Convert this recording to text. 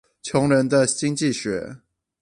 窮人的經濟學